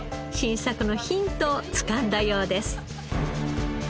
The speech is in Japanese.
新作のヒントをつかんだようです。